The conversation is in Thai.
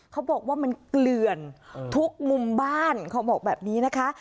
เขาบอกว่ามันเกลื่อนทุกมุมบ้านเขาบอกแบบนี้นะคะ